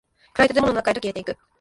暗い建物の中へと消えていく。